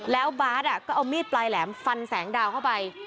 แล้วบาทก็เอามีดปลายแหลมฟันแสงดาวเข้าไป